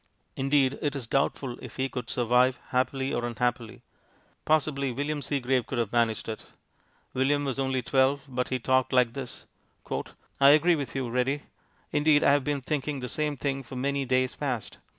Indeed it is doubtful if he could survive, happily or unhappily. Possibly William Seagrave could have managed it. William was only twelve, but he talked like this: "I agree with you, Ready. Indeed I have been thinking the same thing for many days past....